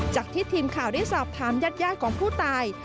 จากที่ทีมข่าวได้สอบถามญาติของผู้ตาย